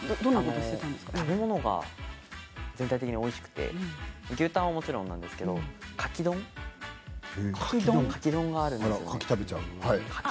食べ物が全体的においしくて牛たんはもちろんなんですけどかき丼があるんですよ。